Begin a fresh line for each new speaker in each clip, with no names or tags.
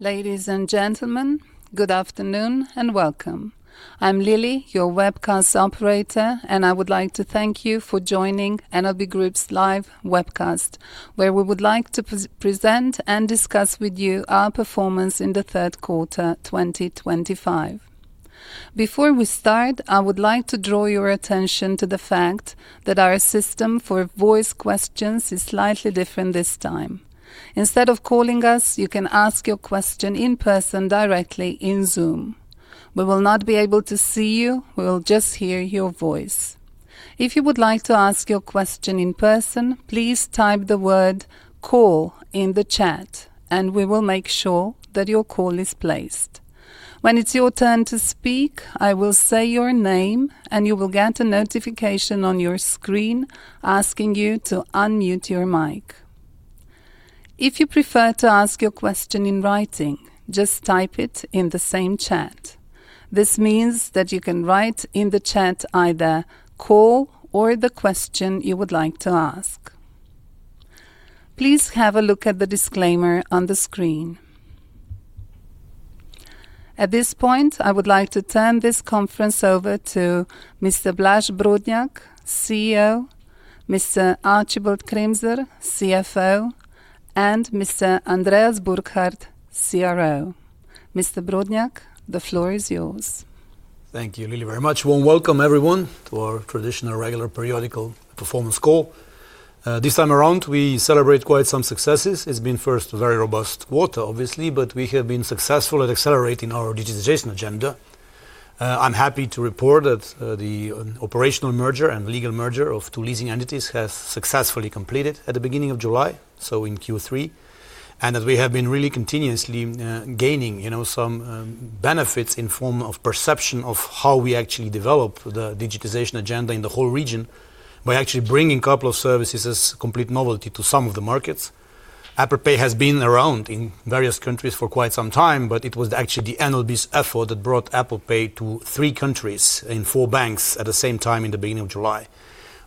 Ladies and gentlemen, good afternoon and welcome. I'm Lily, your webcast operator, and I would like to thank you for joining NLB Group's live webcast, where we would like to present and discuss with you our performance in the third quarter 2025. Before we start, I would like to draw your attention to the fact that our system for voice questions is slightly different this time. Instead of calling us, you can ask your question in person directly in Zoom. We will not be able to see you; we will just hear your voice. If you would like to ask your question in person, please type the word "call" in the chat, and we will make sure that your call is placed. When it's your turn to speak, I will say your name, and you will get a notification on your screen asking you to unmute your mic. If you prefer to ask your question in writing, just type it in the same chat. This means that you can write in the chat either "call" or the question you would like to ask. Please have a look at the disclaimer on the screen. At this point, I would like to turn this conference over to Mr. Blaž Brodnjak, CEO; Mr. Archibald Kremser, CFO; and Mr. Andreas Burkhardt, CRO. Mr. Brodnjak, the floor is yours.
Thank you, Lily, very much. Warm welcome, everyone, to our traditional regular periodical performance call. This time around, we celebrate quite some successes. It's been first a very robust quarter, obviously, but we have been successful at accelerating our digitization agenda. I'm happy to report that the operational merger and legal merger of two leasing entities has successfully completed at the beginning of July, so in Q3, and that we have been really continuously gaining, you know, some benefits in form of perception of how we actually develop the digitization agenda in the whole region by actually bringing a couple of services as complete novelty to some of the markets. Apple Pay has been around in various countries for quite some time, but it was actually the NLB's effort that brought Apple Pay to three countries and four banks at the same time in the beginning of July,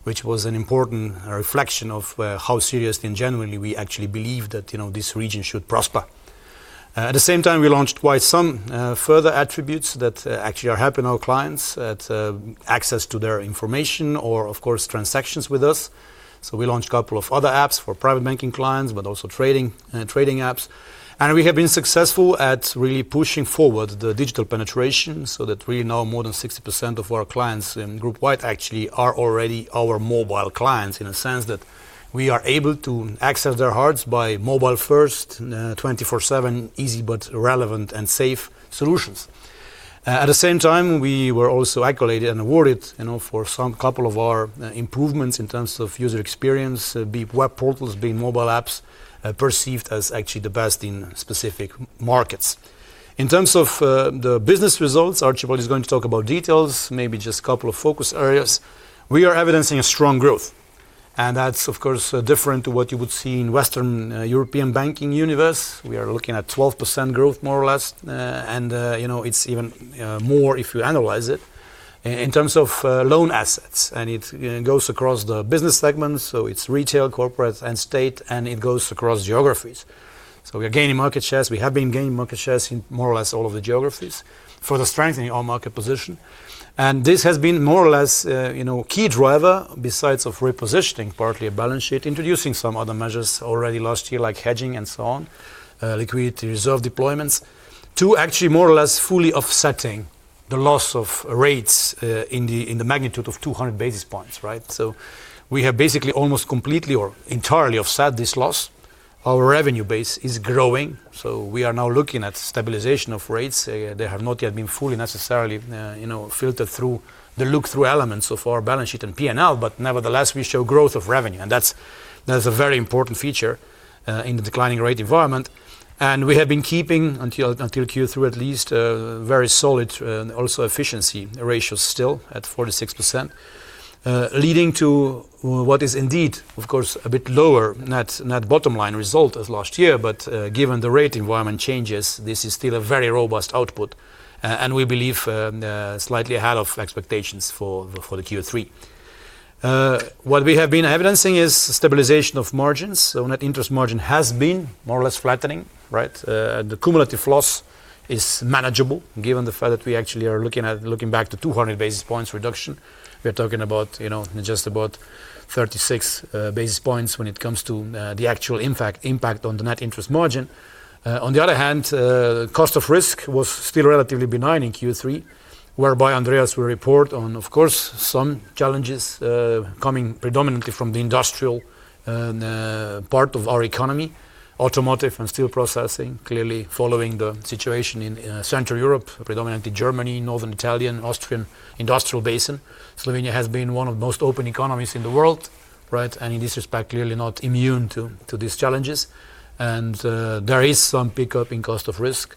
which was an important reflection of how seriously and genuinely we actually believe that, you know, this region should prosper. At the same time, we launched quite some further attributes that actually are helping our clients at access to their information or, of course, transactions with us. So we launched a couple of other apps for private banking clients, but also trading apps. We have been successful at really pushing forward the digital penetration so that really now more than 60% of our clients in Group White actually are already our mobile clients in a sense that we are able to access their hearts by mobile-first, 24/7, easy but relevant and safe solutions. At the same time, we were also accoladed and awarded, you know, for some couple of our improvements in terms of user experience, be it web portals, be it mobile apps, perceived as actually the best in specific markets. In terms of the business results, Archibald is going to talk about details, maybe just a couple of focus areas. We are evidencing a strong growth, and that's, of course, different to what you would see in the Western European banking universe. We are looking at 12% growth, more or less, and, you know, it's even more if you analyze it. In terms of loan assets, and it goes across the business segment, so it's retail, corporate, and state, and it goes across geographies. We are gaining market shares; we have been gaining market shares in more or less all of the geographies for the strengthening of our market position. This has been more or less, you know, a key driver besides repositioning partly a balance sheet, introducing some other measures already last year like hedging and so on, liquidity reserve deployments, to actually more or less fully offsetting the loss of rates in the magnitude of 200 basis points, right? We have basically almost completely or entirely offset this loss. Our revenue base is growing, so we are now looking at stabilization of rates. They have not yet been fully necessarily, you know, filtered through the look-through elements of our balance sheet and P&L, but nevertheless, we show growth of revenue, and that's a very important feature in the declining rate environment. And we have been keeping until Q3 at least very solid also efficiency ratios still at 46%. Leading to what is indeed, of course, a bit lower net bottom line result as last year, but given the rate environment changes, this is still a very robust output, and we believe slightly ahead of expectations for the Q3. What we have been evidencing is stabilization of margins, so net interest margin has been more or less flattening, right? The cumulative loss is manageable given the fact that we actually are looking at looking back to 200 basis points reduction. We are talking about, you know, just about 36 basis points when it comes to the actual impact on the net interest margin. On the other hand, the cost of risk was still relatively benign in Q3, whereby Andreas will report on, of course, some challenges coming predominantly from the industrial part of our economy, automotive and steel processing, clearly following the situation in Central Europe, predominantly Germany, Northern Italy, Austrian industrial basin. Slovenia has been one of the most open economies in the world, right? In this respect, clearly not immune to these challenges. There is some pickup in cost of risk.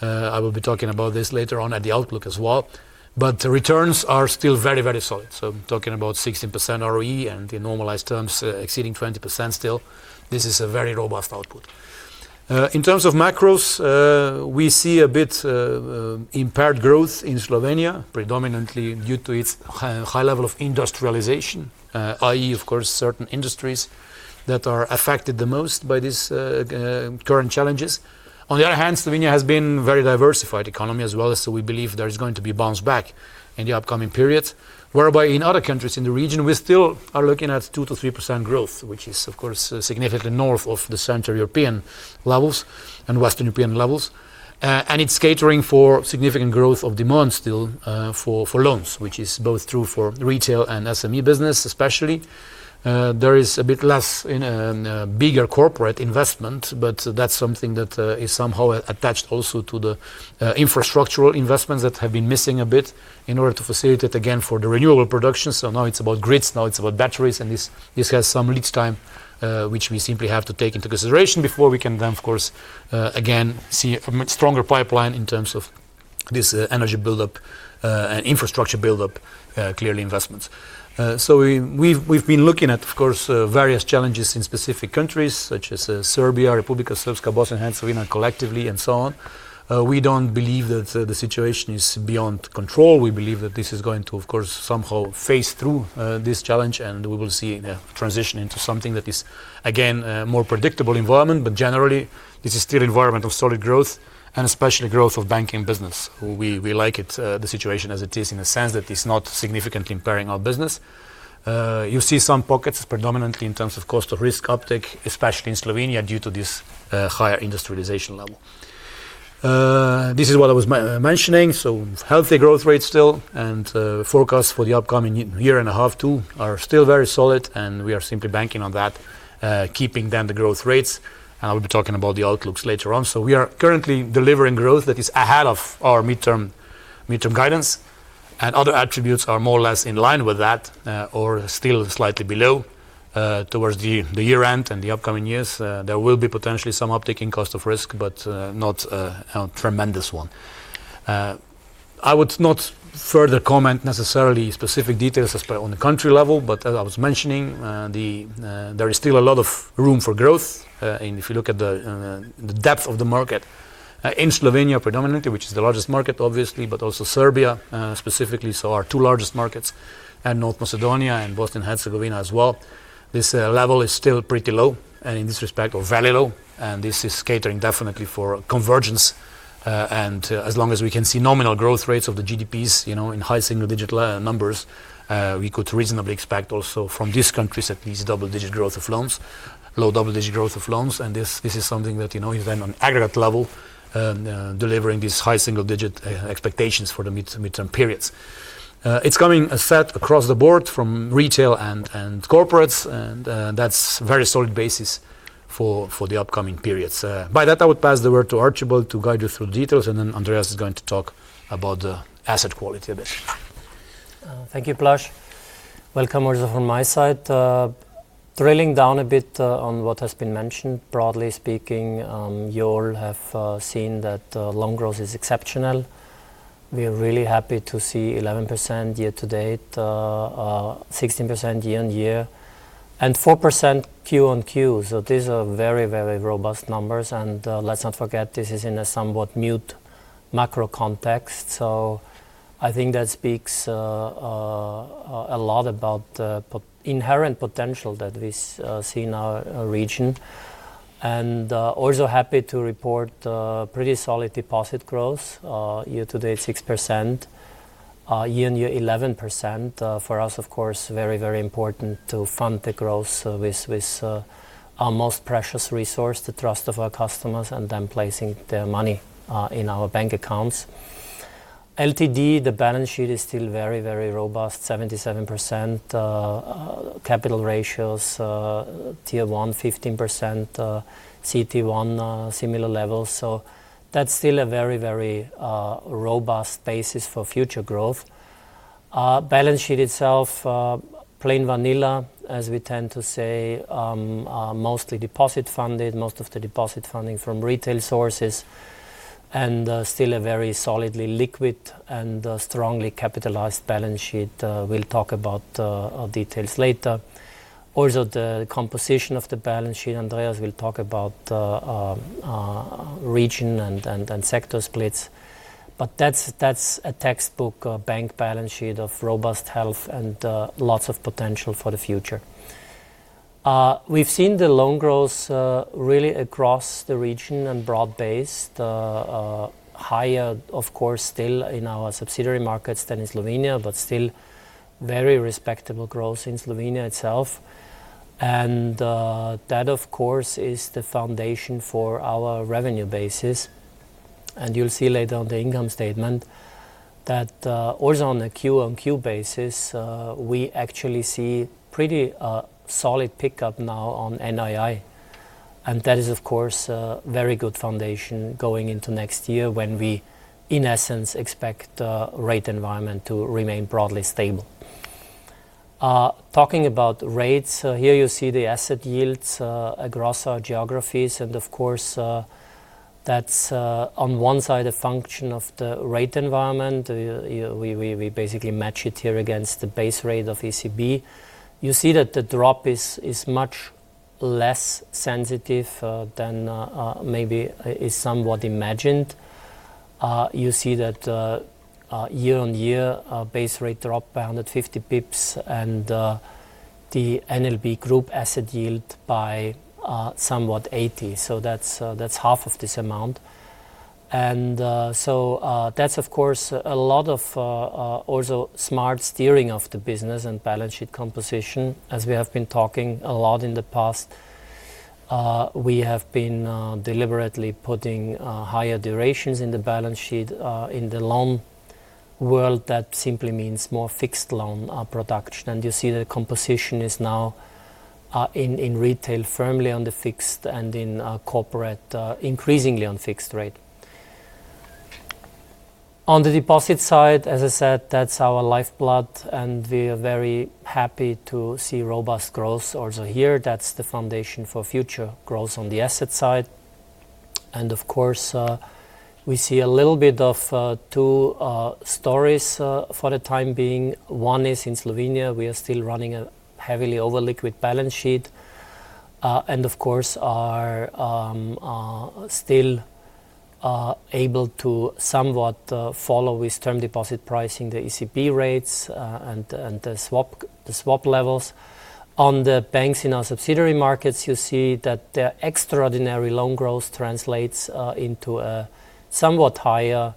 I will be talking about this later on at the outlook as well. But the returns are still very, very solid. So I'm talking about 16% ROE and in normalized terms exceeding 20% still. This is a very robust output. In terms of macros, we see a bit. Impaired growth in Slovenia, predominantly due to its high level of industrialization, i.e., of course, certain industries that are affected the most by these current challenges. On the other hand, Slovenia has been a very diversified economy as well, so we believe there is going to be a bounce back in the upcoming period, whereby in other countries in the region, we still are looking at 2%-3% growth, which is, of course, significantly north of the Central European levels and Western European levels. And it's catering for significant growth of demand still for loans, which is both true for retail and SME business especially. There is a bit less in a bigger corporate investment, but that's something that is somehow attached also to the infrastructural investments that have been missing a bit in order to facilitate again for the renewable production. So now it's about grids, now it's about batteries, and this has some lead time, which we simply have to take into consideration before we can then, of course, again see a stronger pipeline in terms of this energy build-up and infrastructure build-up, clearly investments. So we've been looking at, of course, various challenges in specific countries such as Serbia, Republika Srpska, Bosnia and Herzegovina collectively, and so on. We don't believe that the situation is beyond control. We believe that this is going to, of course, somehow phase through this challenge, and we will see a transition into something that is again a more predictable environment. But generally, this is still an environment of solid growth and especially growth of banking business. We like the situation as it is in the sense that it's not significantly impairing our business. You see some pockets predominantly in terms of cost of risk uptake, especially in Slovenia due to this higher industrialization level. This is what I was mentioning. So healthy growth rates still, and forecasts for the upcoming year and a half too are still very solid, and we are simply banking on that, keeping then the growth rates. And I'll be talking about the outlooks later on. So we are currently delivering growth that is ahead of our midterm guidance, and other attributes are more or less in line with that or still slightly below towards the year-end and the upcoming years. There will be potentially some uptick in cost of risk, but not a tremendous one. I would not further comment necessarily specific details on the country level, but as I was mentioning, there is still a lot of room for growth. If you look at the depth of the market, in Slovenia predominantly, which is the largest market, obviously, but also Serbia specifically, so our two largest markets, and North Macedonia and Bosnia and Herzegovina as well, this level is still pretty low and in this respect or very low and this is catering definitely for convergence. As long as we can see nominal growth rates of the GDPs, you know, in high single-digit numbers, we could reasonably expect also from these countries at least double-digit growth of loans, low double-digit growth of loans. And this is something that, you know, even on aggregate level. Delivering these high single-digit expectations for the midterm periods. It's coming a set across the board from retail and corporates, and that's a very solid basis for the upcoming periods. By that, I would pass the word to Archibald to guide you through the details, and then Andreas is going to talk about the asset quality a bit.
Thank you, Blaž. Welcome also from my side. Drilling down a bit on what has been mentioned, broadly speaking, you all have seen that loan growth is exceptional. We are really happy to see 11% year-to-date. 16% year- on-year, and 4% Q-on-Q. So these are very, very robust numbers. And let's not forget this is in a somewhat mute macro context. So I think that speaks a lot about. The inherent potential that we see in our region. And also happy to report pretty solid deposit growth, year-to-date 6%, year-on-year, 11%. For us, of course, very, very important to fund the growth with our most precious resource, the trust of our customers, and then placing their money in our bank accounts. LTD, the balance sheet is still very, very robust, 77%. Capital ratios. Tier 1, 15%. CT1, similar levels. So that's still a very, very robust basis for future growth. Balance sheet itself plain vanilla, as we tend to say. Mostly deposit funded, most of the deposit funding from retail sources and still a very solidly liquid and strongly capitalized balance sheet. We'll talk about. Details later. Also the composition of the balance sheet, Andreas will talk about the region and sector splits but that's a textbook bank balance sheet of robust health and lots of potential for the future. We've seen the loan growth really across the region and broad based. Higher, of course, still in our subsidiary markets than in Slovenia, but still very respectable growth in Slovenia itself. That, of course, is the foundation for our revenue basis. And you'll see later on the income statement that also on a Q-on-Q basis, we actually see pretty solid pickup now on NII. And that is, of course, a very good foundation going into next year when we, in essence, expect the rate environment to remain broadly stable. Talking about rates, here you see the asset yields across our geographies. And of course that's on one side a function of the rate environment. We basically match it here against the base rate of ECB. You see that the drop is much less sensitive than maybe is somewhat imagined. You see that year-on-year, base rate dropped by 150 bps and pbs the NLB Group asset yield by somewhat 80. So that's half of this amount. And so that's, of course, a lot of also smart steering of the business and balance sheet composition as we have been talking a lot in the past, we have been deliberately putting higher durations in the balance sheet in the loan world. That simply means more fixed loan production. And you see the composition is now. In retail firmly on the fixed and in corporate increasingly on fixed rate. On the deposit side, as I said, that's our lifeblood, and we are very happy to see robust growth also here. That's the foundation for future growth on the asset side. And of course. We see a little bit of two stories for the time being. One is in Slovenia, we are still running a heavily over-liquid balance sheet and of course, are still able to somewhat follow with term deposit pricing, the ECB rates and the swap levels. On the banks in our subsidiary markets, you see that the extraordinary loan growth translates into a somewhat higher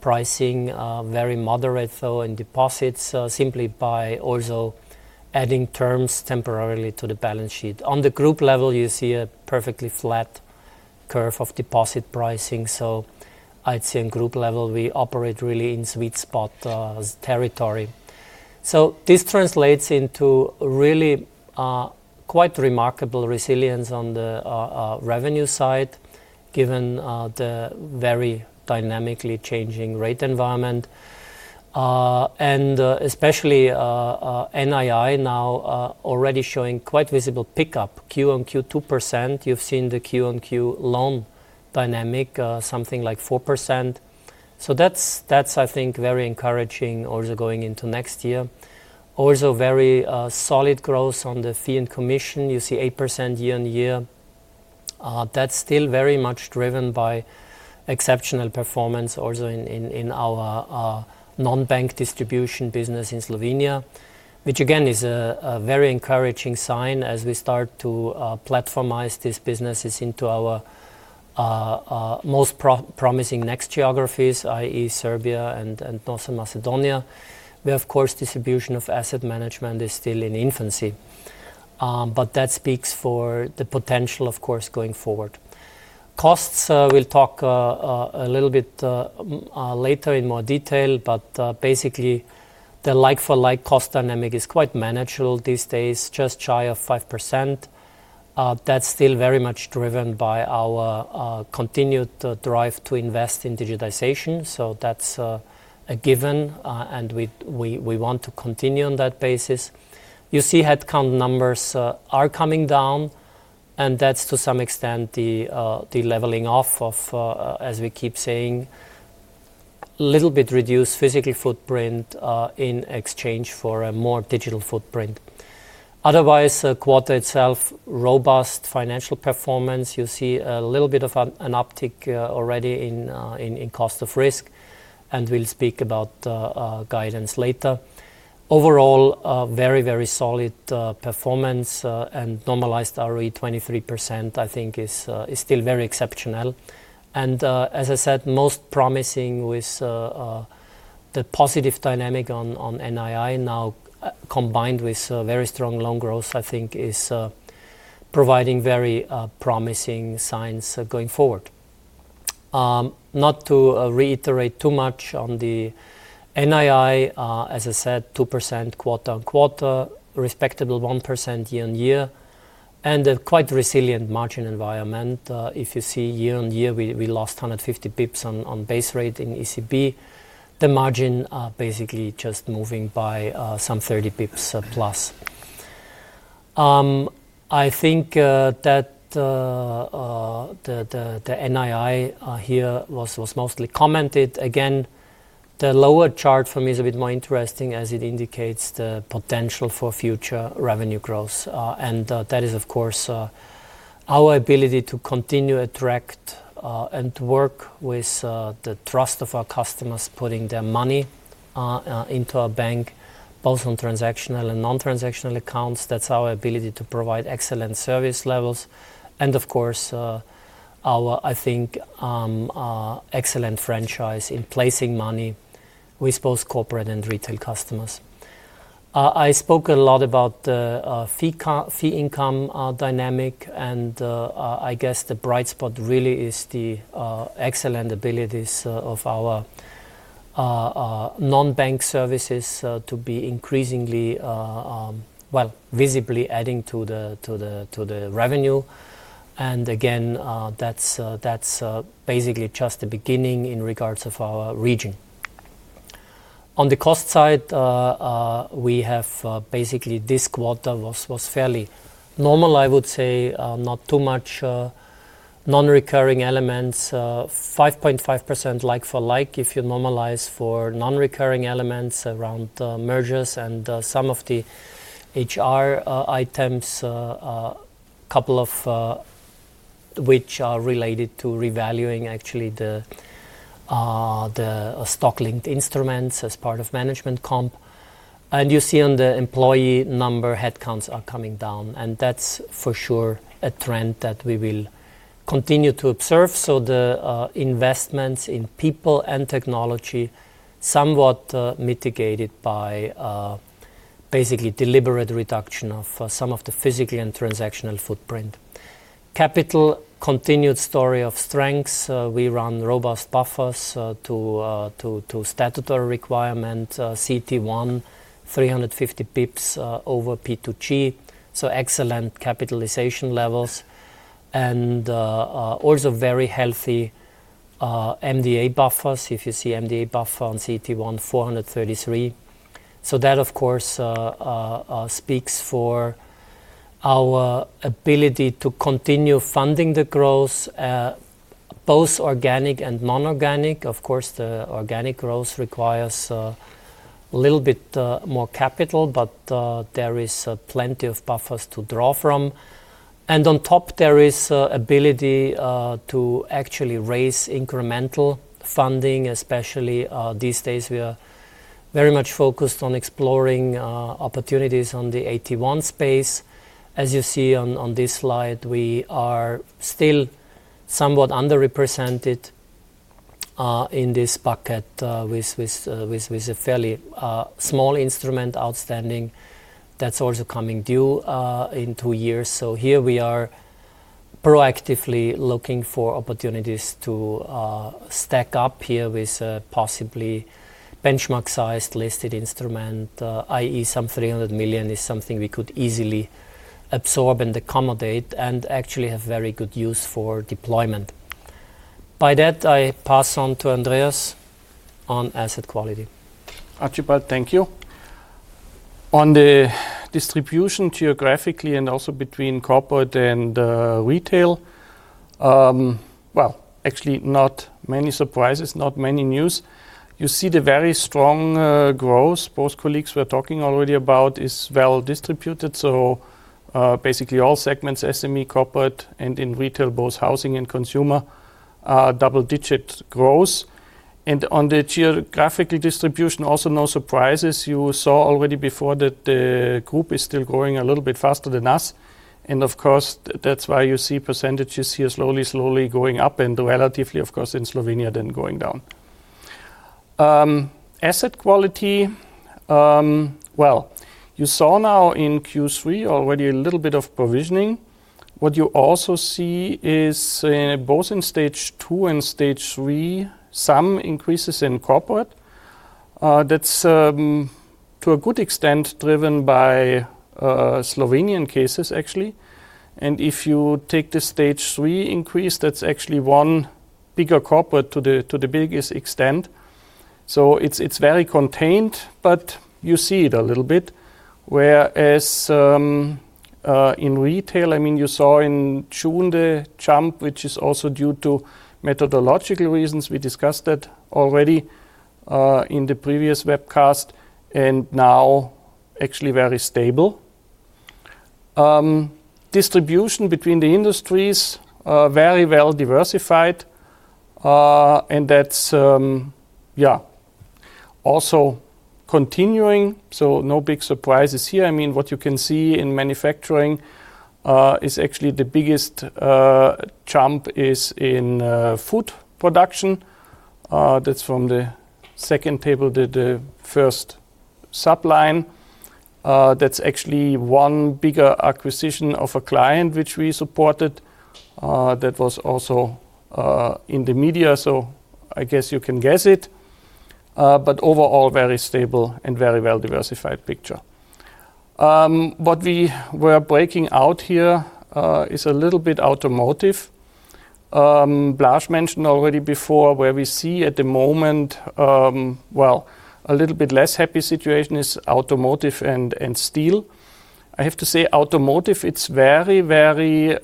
pricing, very moderate though in deposits, simply by also adding terms temporarily to the balance sheet. On the group level, you see a perfectly flat curve of deposit pricing. So I'd say on group level, we operate really in sweet spot territory. So this translates into really quite remarkable resilience on the revenue side given the very dynamically changing rate environment and especially NII now already showing quite visible pickup, Q-on-Q 2%. You've seen the Q-on-Q loan dynamic, something like 4%. So that's, I think, very encouraging also going into next year. Also very solid growth on the fee and commission, you see 8% year-on-year, that's still very much driven by exceptional performance also in our non-bank distribution business in Slovenia, which again is a very encouraging sign as we start to platformize these businesses into our most promising next geographies, i.e., Serbia and Northern Macedonia. Where, of course, distribution of asset management is still in infancy but that speaks for the potential, of course, going forward. Costs, we'll talk a little bit later in more detail, but basically the like-for-like cost dynamic is quite manageable these days, just shy of 5%. That's still very much driven by our continued drive to invest in digitization. So that's a given, and we want to continue on that basis. You see headcount numbers are coming down and that's to some extent the leveling off of, as we keep saying a little bit reduced physical footprint in exchange for a more digital footprint. Otherwise, the quarter itself, robust financial performance. You see a little bit of an uptick already in cost of risk, and we'll speak about guidance later. Overall, very, very solid performance and normalized ROE 23%, I think, is still very exceptional. And as I said, most promising with the positive dynamic on NII now combined with very strong loan growth, I think, is. Providing very promising signs going forward. Not to reiterate too much on the NII, as I said, 2% quarter-on-quarter, respectable 1% year-on-year, and a quite resilient margin environment. If you see year on year, we lost 150 bps on base rate in ECB. The margin basically just moving by some 30+ bps. I think that the NII here was mostly commented. Again, the lower chart for me is a bit more interesting as it indicates the potential for future revenue growth. And that is, of course our ability to continue to attract and to work with the trust of our customers, putting their money into our bank, both on transactional and non-transactional accounts, that's our ability to provide excellent service levels. And of course. Our, I think excellent franchise in placing money with both corporate and retail customers. I spoke a lot about the fee income dynamic, and I guess the bright spot really is the excellent abilities of our non-bank services to be increasingly, well, visibly adding to the revenue. And again, that's basically just the beginning in regards of our region. On the cost side, we have basically this quarter was fairly normal, I would say, not too much non-recurring elements, 5.5% like-for-like if you normalize for non-recurring elements around mergers and some of the. HR items, a couple of which are related to revaluing actually the stock-linked instruments as part of management comp. And you see on the employee number, headcounts are coming down and that's for sure a trend that we will continue to observe. So the investments in people and technology somewhat mitigated by basically deliberate reduction of some of the physical and transactional footprint. Capital, continued story of strengths. We run robust buffers to statutory requirement, CT1, 350 bps over P2G. So excellent capitalization levels. Also very healthy MDA buffers. If you see MDA buffer on CT1, 433. So that, of course speaks for our ability to continue funding the growth both organic and non-organic. Of course, the organic growth requires a little bit more capital, but there is plenty of buffers to draw from. And on top, there is ability to actually raise incremental funding, especially these days we are very much focused on exploring opportunities on the 81 space. As you see on this slide, we are still somewhat underrepresented. In this bucket with a fairly small instrument outstanding. That's also coming due in two years. So here we are proactively looking for opportunities to stack up here with a possibly benchmark-sized listed instrument, i.e., some $300 million is something we could easily absorb and accommodate and actually have very good use for deployment. By that, I pass on to Andreas on asset quality.
Archibald, thank you. On the distribution geographically and also between corporate and retail, well, actually not many surprises, not many news, you see the very strong growth both colleagues were talking already about is well distributed. So basically all segments, SME, corporate, and in retail, both housing and consumer double-digit growth. And on the geographical distribution, also no surprises you saw already before that the group is still growing a little bit faster than us and of course, that's why you see percentages here slowly, slowly going up and relatively, of course, in Slovenia then going down. Asset quality, well, you saw now in Q3 already a little bit of provisioning. What you also see is both in stage two and stage three, some increases in corporate that's to a good extent driven by Slovenian cases, actually. And if you take the stage three increase, that's actually one bigger corporate to the biggest extent, so it's very contained, but you see it a little bit whereas in retail, I mean, you saw in June the jump, which is also due to methodological reasons, we discussed that already in the previous webcast and now actually very stable. Distribution between the industries very well diversified. Yeah. Also. Continuing, so no big surprises here. I mean, what you can see in manufacturing is actually the biggest jump is in food production that's from the second table, the first subline. That's actually one bigger acquisition of a client which we supported, that was also in the media. So I guess you can guess it but overall, very stable and very well diversified picture. What we were breaking out here is a little bit automotive. Blash mentioned already before where we see at the moment, well, a little bit less happy situation is automotive and steel. I have to say automotive, it's very, very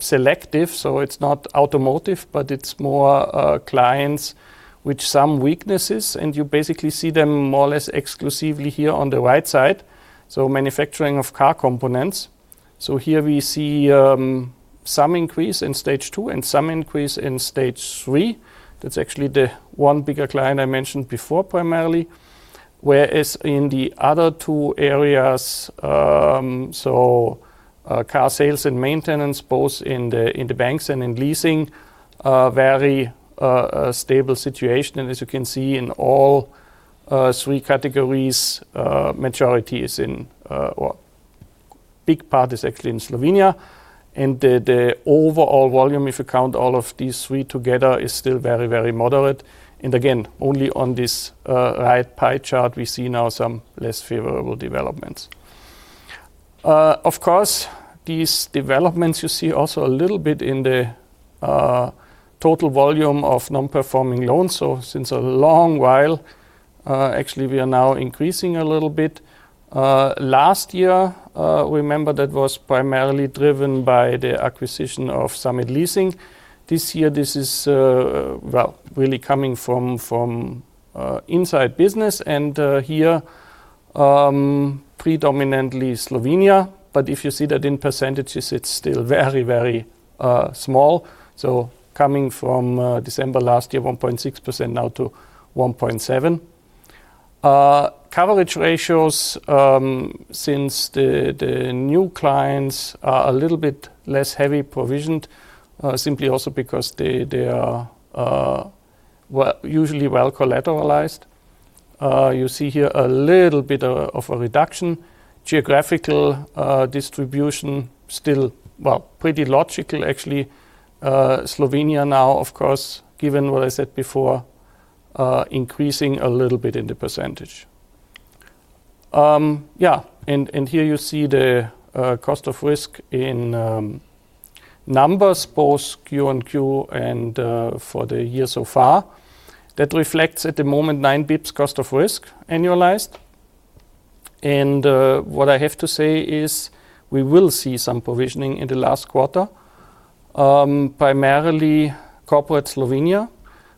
selective, so it's not automotive, but it's more clients with some weaknesses and you basically see them more or less exclusively here on the right side, so manufacturing of car components. So here we see some increase in stage two and some increase in stage three that's actually the one bigger client I mentioned before primarily whereas in the other two areas, so, car sales and maintenance, both in the banks and in leasing very stable situation. And as you can see in all three categories, majority is in big part is actually in Slovenia and the overall volume, if you count all of these three together, is still very, very moderate. And again, only on this right pie chart, we see now some less favorable developments. Of course, these developments you see also a little bit in the total volume of non-performing loans, so since a long while, actually we are now increasing a little bit. Last year, remember that was primarily driven by the acquisition of Summit Leasing, this year, this is, well, really coming from. Inside business and here predominantly Slovenia but if you see that in percentages, it's still very, very small. So coming from December last year, 1.6% now to 1.7%. Coverage ratios since the new clients are a little bit less heavy provisioned, simply also because they are usually well collateralized you see here a little bit of a reduction. Geographical distribution still, well, pretty logical, actually. Slovenia now, of course, given what I said before, increasing a little bit in the percentage. Yeah. And here you see the cost of risk in numbers, both Q and Q and for the year so far. That reflects at the moment 9 bps cost of risk annualized. And what I have to say is we will see some provisioning in the last quarter, primarily corporate Slovenia.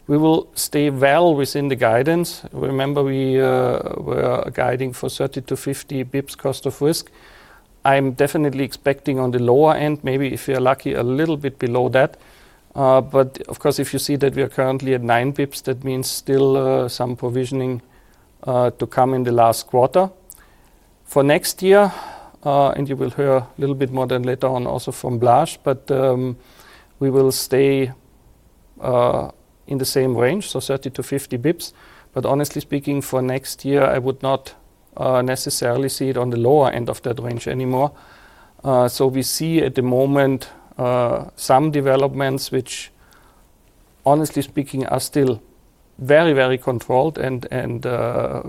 We will stay well within the guidance. Remember, we were guiding for 30-50 bps cost of risk. I'm definitely expecting on the lower end, maybe if you're lucky, a little bit below that. But of course, if you see that we are currently at 9 bps, that means still some provisioning to come in the last quarter. For next year, and you will hear a little bit more than later on also from Blasch, but we will stay. In the same range, so 30-50 bps. But honestly speaking, for next year, I would not necessarily see it on the lower end of that range anymore. So we see at the moment some developments which honestly speaking, are still very, very controlled and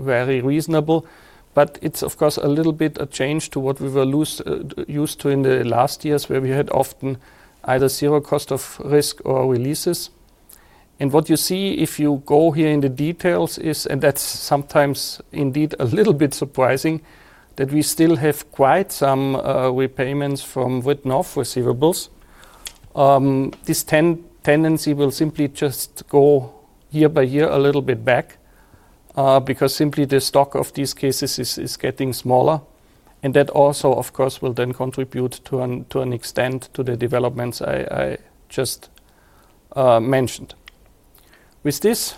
very reasonable. But it's, of course, a little bit a change to what we were used to in the last years where we had often either zero cost of risk or releases. And what you see if you go here in the details is, and that's sometimes indeed a little bit surprising, that we still have quite some repayments from written-off receivables. This tendency will simply just go year by year a little bit back because simply the stock of these cases is getting smaller. And that also, of course, will then contribute to an extent to the developments I just. Mentioned. With this,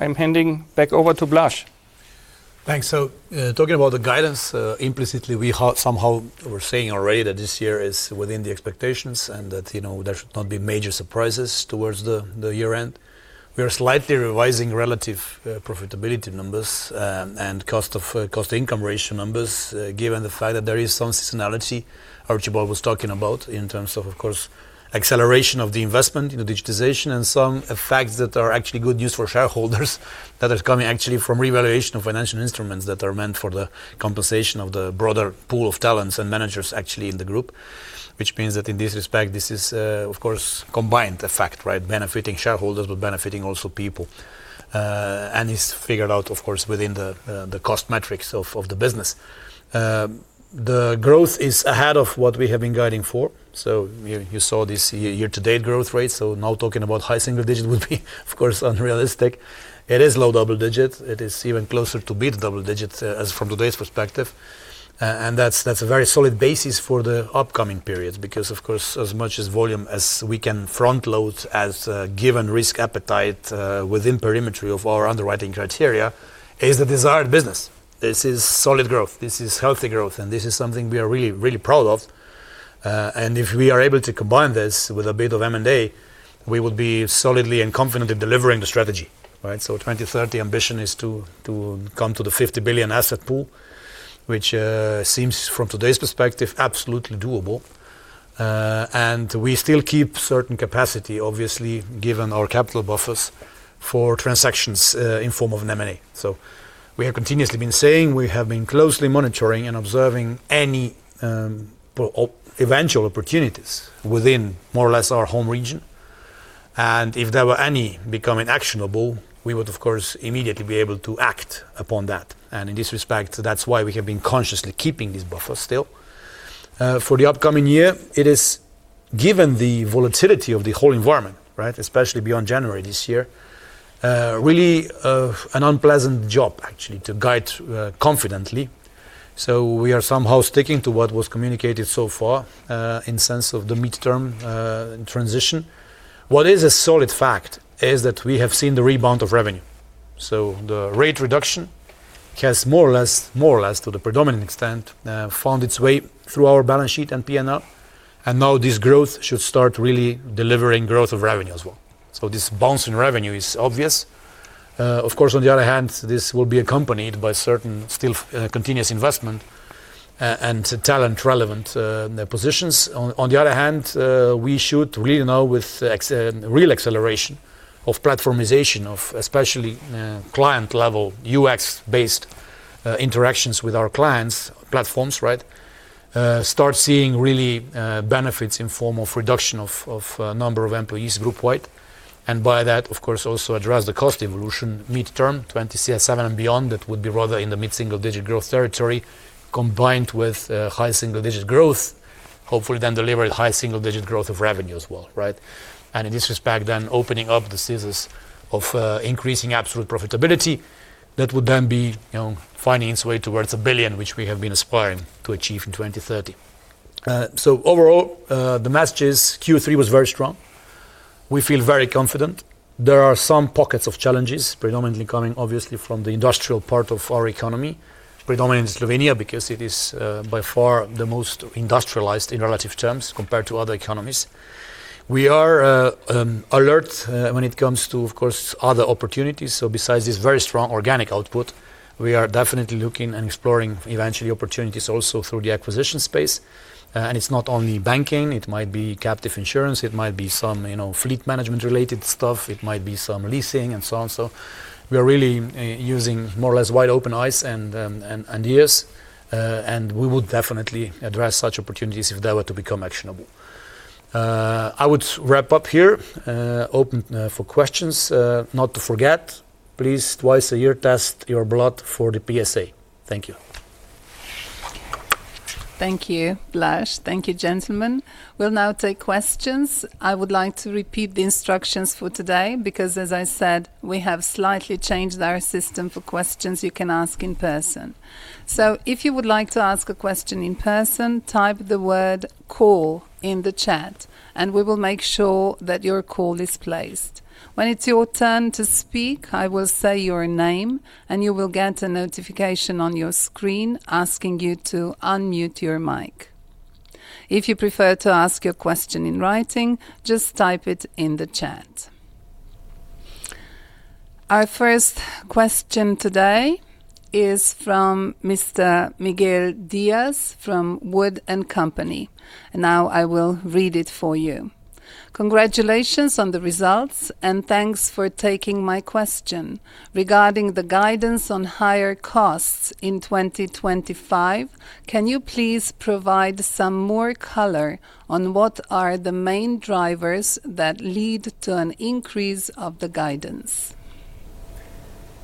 I'm handing back over to Blaz.
Thanks. So talking about the guidance, implicitly, we somehow were saying already that this year is within the expectations and that there should not be major surprises towards the year-end. We are slightly revising relative profitability numbers and cost-to-income ratio numbers given the fact that there is some seasonality Archibald was talking about in terms of, of course, acceleration of the investment in the digitization and some effects that are actually good news for shareholders that are coming actually from revaluation of financial instruments that are meant for the compensation of the broader pool of talents and managers actually in the group. Which means that in this respect, this is, of course, combined effect, right? Benefiting shareholders but benefiting also people. And it's figured out, of course, within the cost metrics of the business. The growth is ahead of what we have been guiding for. So you saw this year-to-date growth rate, so now talking about high single digit would be, of course, unrealistic. It is low double digit. It is even closer to mid-double digit from today's perspective and that's a very solid basis for the upcoming periods because, of course, as much as volume as we can front-load as given risk appetite within perimetry of our underwriting criteria is the desired business. This is solid growth, this is healthy growth and this is something we are really, really proud of. And if we are able to combine this with a bit of M&A, we would be solidly and confidently delivering the strategy, right? So 2030 ambition is to come to the $50 billion asset pool, which seems from today's perspective absolutely doable. And we still keep certain capacity, obviously, given our capital buffers for transactions in form of an M&A. So we have continuously been saying we have been closely monitoring and observing any eventual opportunities within more or less our home region. And if there were any becoming actionable, we would, of course, immediately be able to act upon that. And in this respect, that's why we have been consciously keeping these buffers still. For the upcoming year, it is, given the volatility of the whole environment, right? Especially beyond January this year, really an unpleasant job actually to guide confidently. So we are somehow sticking to what was communicated so far in sense of the midterm transition. What is a solid fact is that we have seen the rebound of revenue. So the rate reduction has more or less, to the predominant extent, found its way through our balance sheet and P&L and now this growth should start really delivering growth of revenue as well. So this bouncing revenue is obvious. Of course, on the other hand, this will be accompanied by certain still continuous investment and talent-relevant positions. On the other hand, we should really now with real acceleration of platformization of especially client-level U.S.-based interactions with our clients' platforms, right? Start seeing really benefits in form of reduction of number of employees group-wide. And by that, of course, also address the cost evolution midterm, 20 CS7 and beyond that would be rather in the mid-single-digit growth territory combined with high single-digit growth, hopefully then delivering high single-digit growth of revenue as well, right? And in this respect, then opening up the scissors of increasing absolute profitability that would then be finding its way towards a billion, which we have been aspiring to achieve in 2030. So overall, the message is Q3 was very strong. We feel very confident. There are some pockets of challenges predominantly coming obviously from the industrial part of our economy, predominantly Slovenia because it is by far the most industrialized in relative terms compared to other economies. We are alert when it comes to, of course, other opportunities, so besides this very strong organic output, we are definitely looking and exploring eventually opportunities also through the acquisition space. And it's not only banking, it might be captive insurance, it might be some fleet management-related stuff, it might be some leasing and so on. So we are really using more or less wide open eyes and ears. And we would definitely address such opportunities if they were to become actionable. I would wrap up here. Open for questions. Not to forget, please twice a year test your blood for the PSA. Thank you.
Thank you, Blaz. Thank you, gentlemen. We'll now take questions. I would like to repeat the instructions for today because, as I said, we have slightly changed our system for questions you can ask in person. So if you would like to ask a question in person, type the word 'CALL' in the chat, and we will make sure that your call is placed. When it's your turn to speak, I will say your name, and you will get a notification on your screen asking you to unmute your mic. If you prefer to ask your question in writing, just type it in the chat. Our first question today is from Mr. Miguel Diaz from Wood & Company. Now I will read it for you. Congratulations on the results, and thanks for taking my question. Regarding the guidance on higher costs in 2025, can you please provide some more color on what are the main drivers that lead to an increase of the guidance?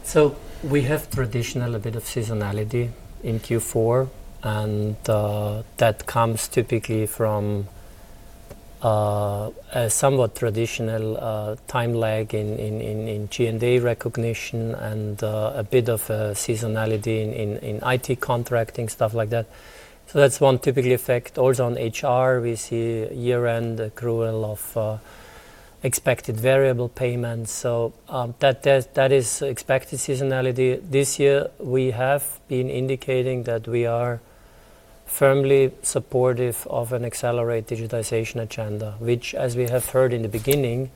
So we have traditional a bit of seasonality in Q4, and that comes typically from somewhat traditional time lag in G&A recognition and a bit of seasonality in IT contracting, stuff like that. So that's one typically effect. Also on HR, we see year-end accrual of expected variable payments, so that is expected seasonality. This year, we have been indicating that we are firmly supportive of an accelerated digitization agenda, which, as we have heard in the beginning,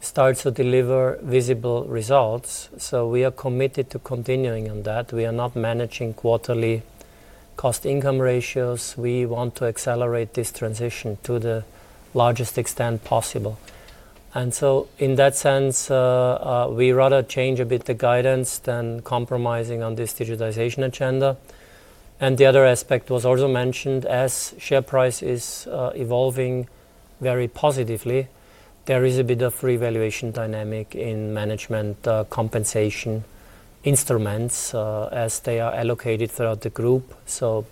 starts to deliver visible results, so we are committed to continuing on that. We are not managing quarterly cost-income ratios. We want to accelerate this transition to the largest extent possible. And so in that sense, we rather change a bit the guidance than compromising on this digitization agenda. And the other aspect was also mentioned as share price is evolving very positively. There is a bit of revaluation dynamic in management compensation instruments as they are allocated throughout the group. So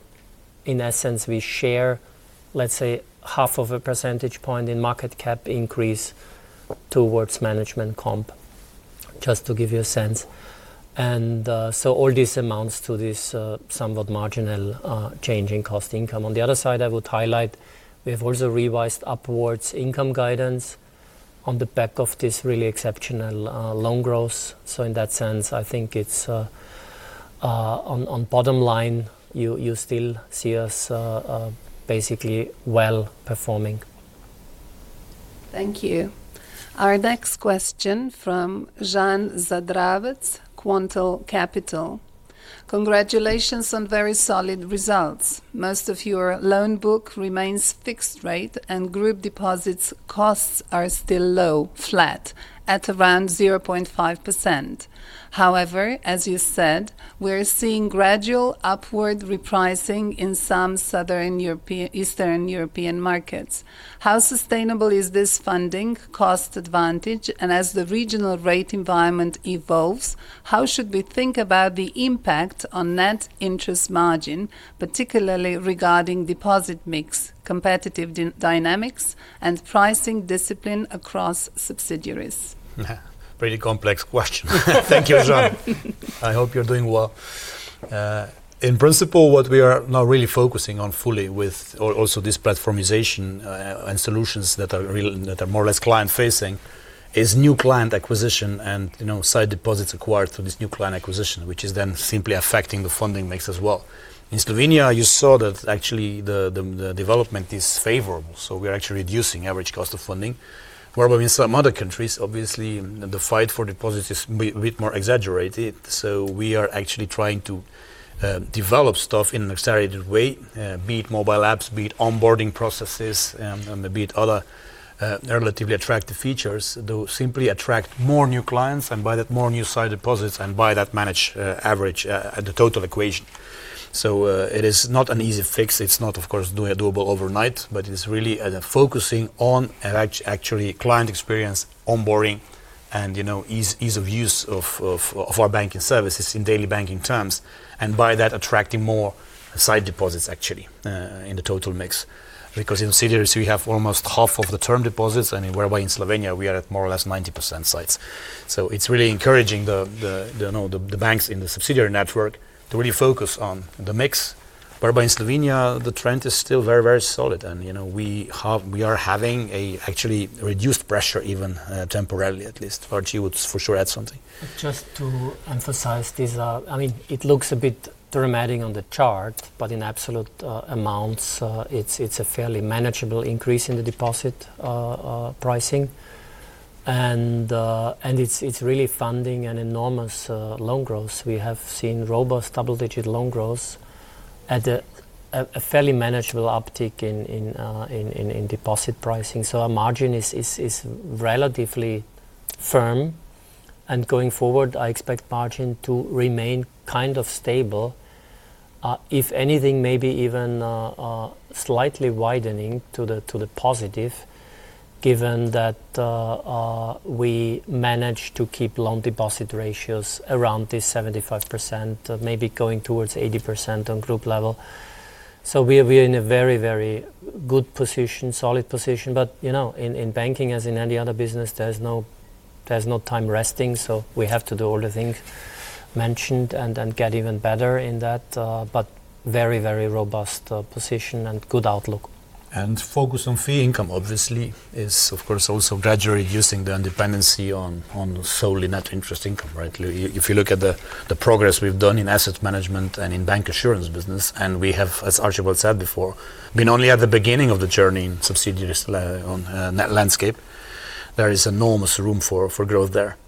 in essence, we share, let's say, half of a percentage point in market cap increase towards management comp, just to give you a sense. And so all this amounts to this somewhat marginal change in cost-income. On the other side, I would highlight we have also revised upwards income guidance on the back of this really exceptional loan growth. So in that sense, I think it's, on bottom line, you still see us basically well performing.
Thank you. Our next question from Žan Zadravec, Quantel Capital. Congratulations on very solid results. Most of your loan book remains fixed rate, and group deposits costs are still low, flat at around 0.5%. However, as you said, we're seeing gradual upward repricing in some Eastern European markets. How sustainable is this funding cost advantage? And as the regional rate environment evolves, how should we think about the impact on net interest margin, particularly regarding deposit mix, competitive dynamics, and pricing discipline across subsidiaries?
Pretty complex question. Thank you, Žan. I hope you're doing well. In principle, what we are now really focusing on fully with also this platformization and solutions that are more or less client-facing is new client acquisition and side deposits acquired through this new client acquisition, which is then simply affecting the funding mix as well. In Slovenia, you saw that actually the development is favorable, so we're actually reducing average cost of funding. However, in some other countries, obviously, the fight for deposits is a bit more exaggerated. So we are actually trying to. Develop stuff in an accelerated way, be it mobile apps, be it onboarding processes, and be it other relatively attractive features that will simply attract more new clients and buy that more new side deposits and buy that manage average at the total equation. So it is not an easy fix. It's not, of course, doable overnight, but it is really focusing on actually client experience, onboarding, and ease of use of our banking services in daily banking terms, and by that attracting more side deposits actually in the total mix because in subsidiaries, we have almost half of the term deposits. I mean, whereby in Slovenia, we are at more or less 90% sites. So it's really encouraging the banks in the subsidiary network to really focus on the mix whereby in Slovenia, the trend is still very, very solid. And we are having actually reduced pressure even temporarily at least. Archie would for sure add something.
Just to emphasize this, I mean, it looks a bit dramatic on the chart, but in absolute amounts, it's a fairly manageable increase in the deposit pricing. It's really funding an enormous loan growth. We have seen robust double-digit loan growth at a fairly manageable uptick in deposit pricing. So our margin is relatively firm, and going forward, I expect margin to remain kind of stable. If anything, maybe even slightly widening to the positive given that we manage to keep loan deposit ratios around this 75%, maybe going towards 80% on group level. So we are in a very, very good position, solid position. But in banking, as in any other business, there's no time resting, so we have to do all the things mentioned and get even better in that, but very, very robust position and good outlook.
And focus on fee income, obviously, is, of course, also gradually reducing the dependency on solely net interest income, right? If you look at the progress we've done in asset management and in bank assurance business, and we have, as Archie said before, been only at the beginning of the journey in subsidiaries landscape, there is enormous room for growth there.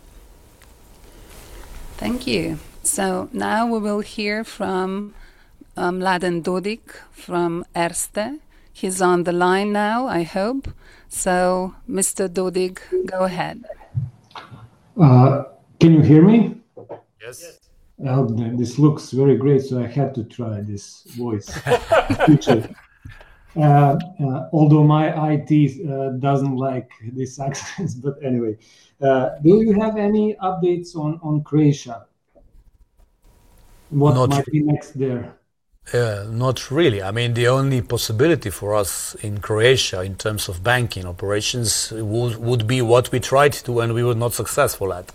Thank you. So now we will hear from Mladen Dodig from Erste. He's on the line now, I hope. So Mr. Dodig, go ahead.
Can you hear me?
Yes.
This looks very great. So I had to try this voice. Although my IT doesn't like this accent, but anyway. Do you have any updates on Croatia? What might be next there?
Yeah, not really. I mean, the only possibility for us in Croatia in terms of banking operations would be what we tried to do and we were not successful at.